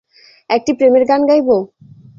একটি প্রেমের গান গাইব?